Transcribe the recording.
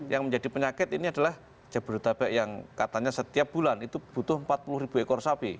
yang menjadi penyakit ini adalah jabodetabek yang katanya setiap bulan itu butuh empat puluh ribu ekor sapi